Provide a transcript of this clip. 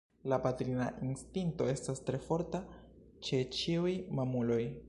La patrina instinkto estas tre forta ĉe ĉiuj mamuloj.